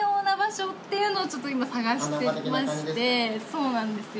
そうなんですよ。